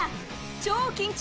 超緊張！